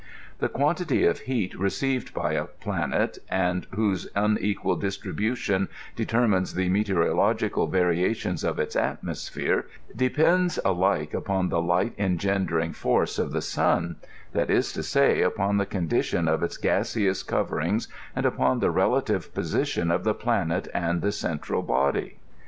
The quantity of heat received by a planet, and whose un equal distribution determines the meteorological variations of its atmosphere, depends alike upon the light engradering force of the sun ; that^ is to say, upon the condition of its gaseous coverings, and upon the relative position of the planet and the central body.